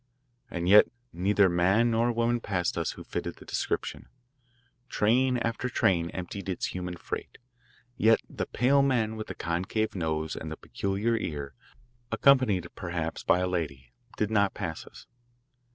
And yet neither man nor woman passed us who fitted the description. Train after train emptied its human freight, yet the pale man with the concave nose and the peculiar ear, accompanied perhaps by a lady, did not pass us.